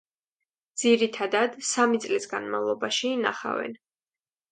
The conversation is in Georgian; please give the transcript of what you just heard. ძირითადად, სამი წლის განმავლობაში ინახავენ.